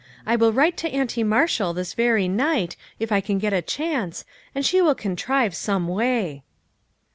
I will write to Auntie Marshall this very night if I can get a chance, and she will contrive some way."